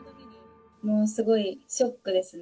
もうすごいショックですね。